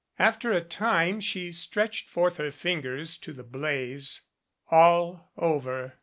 After a time she stretched forth her fingers to the blaze. All over!